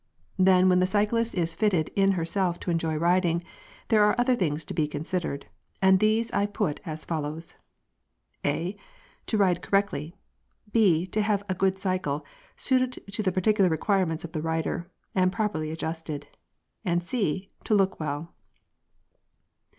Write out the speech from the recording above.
Then when the cyclist is fitted in herself to enjoy riding, there are other things to be considered, and these I put as follows: (a) To ride correctly; (b) to have a good cycle, suited to the particular requirements of the rider, and properly adjusted; and (c) to look well.